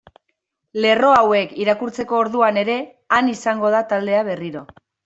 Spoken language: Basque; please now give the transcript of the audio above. Lerro hauek irakurtzeko orduan ere han izango da taldea berriro.